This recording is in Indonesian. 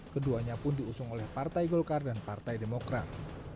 keduanya pun diusung oleh partai golkar dan partai demokrat